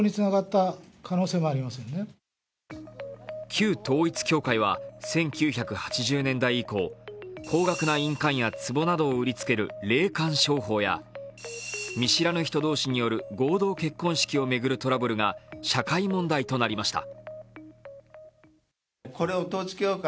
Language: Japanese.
旧統一教会は１９８０年代以降、高額な印鑑やつぼなどを売りつける霊感商法や、見知らぬ人同士による合同結婚式を巡るトラブルが社会問題となりました。